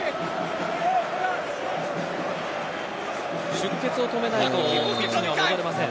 出血を止めないとピッチには戻れません。